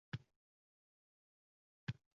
Men osmondan yulduzimni tanladim.